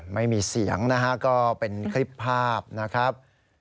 ไม่มีเสียงนะฮะก็เป็นคลิปภาพนะครับ